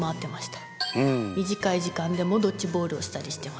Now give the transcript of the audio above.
短い時間でもドッジボールをしたりしてました。